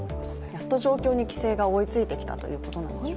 やっと状況に規制が追いついてきたということなんですかね。